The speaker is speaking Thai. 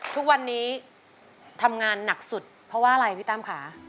ทุกวันนี้ทำงานหนักสุดเพราะว่าอะไรพี่ตั้มค่ะ